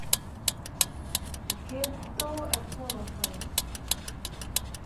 গেতো এখন ওখানে।